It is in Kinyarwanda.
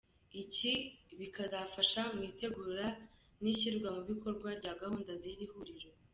Ibi bikazafasha mu itegurwa n’ishyirwa mu bikorwa rya gahunda z’iri huriro.